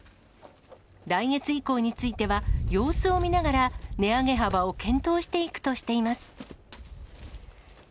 来月以降については、様子を見ながら値上げ幅を検討していくとしています。